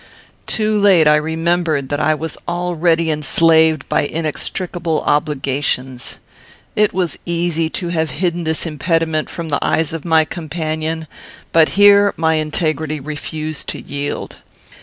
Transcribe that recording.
Too late I remembered that I was already enslaved by inextricable obligations. It was easy to have hidden this impediment from the eyes of my companion, but here my integrity refused to yield.